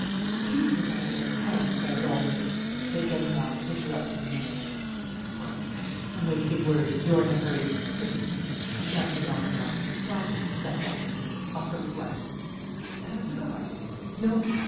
"Do you think I care a hang about all this?" said Ganimard, interrupting him. "Quite right, I'm wasting words and you're in a hurry. Forgive me. I sha'n't be long now.... Five minutes, that's all.... I'll start at once.... Have a cigar? No?